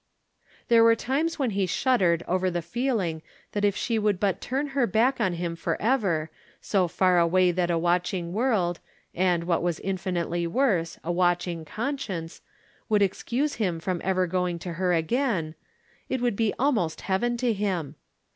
There were times when he shuddered over the feeling that if she would but turn her back on him forever, so far away that a watching world, and, what was infinitely worse, a watching con science, would excuse him from ever going after her again, it would be almost heaven to him.